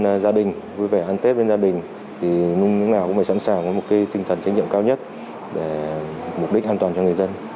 gia đình vui vẻ ăn tết với gia đình thì nung nào cũng phải sẵn sàng với một cái tinh thần trách nhiệm cao nhất để mục đích an toàn cho người dân